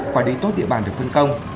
quản lý tốt địa bàn được phân công